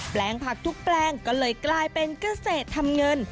แปลงผักทุกแปลงก็เลยกลายเป็นเกษตรทำเงิน